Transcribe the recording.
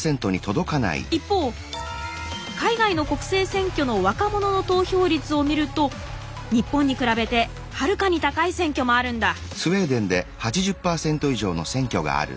一方海外の国政選挙の若者の投票率を見ると日本に比べてはるかに高い選挙もあるんだ。